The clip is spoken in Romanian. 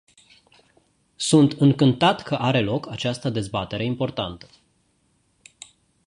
Sunt încântat că are loc această dezbatere importantă.